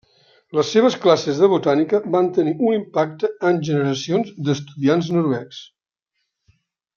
Les seves classes de botànica van tenir un impacte en generacions d'estudiants noruecs.